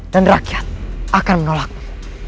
dan rakyat akan menolakmu